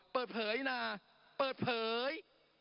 เปิดเผยนะเปิดเผย